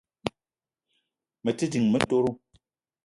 Me te ding motoro